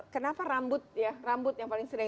kenapa rambut ya rambut yang paling sering